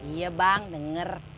iya bang dengar